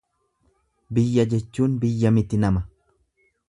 Biyya jechuun biyya miti nama.